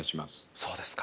そうですか。